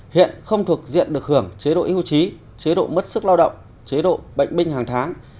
hiện không thuộc diện được hưởng chế độ yêu chế chế độ mất sức lao động chế độ bệnh binh hàng tháng